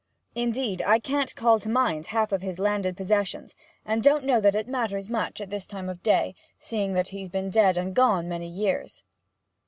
Indeed, I can't call to mind half his landed possessions, and I don't know that it matters much at this time of day, seeing that he's been dead and gone many years.